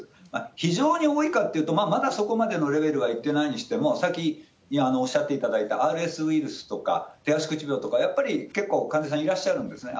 非常に多いかというと、まだそこまでのレベルはいってないにしても、さっきおっしゃっていただいたＲＳウイルスとか、手足口病とか、やっぱり結構患者さんいらっしゃるんですね。